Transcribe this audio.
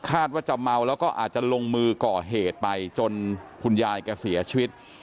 ว่าจะเมาแล้วก็อาจจะลงมือก่อเหตุไปจนคุณยายแกเสียชีวิต